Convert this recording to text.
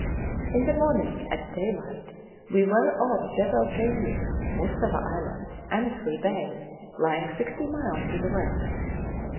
In the morning, at daylight, we were off Jebel Teir, Mussawa Island, Annesley Bay lying 60 miles to the west.